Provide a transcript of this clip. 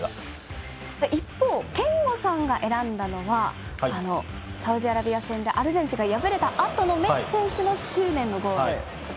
一方、憲剛さんが選んだのはサウジアラビア戦でアルゼンチンが敗れたあとのメッシ選手の執念のゴール。